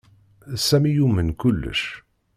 Sami yumen kullec.